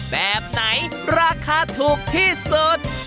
แบบไหนราคาถูกที่สุด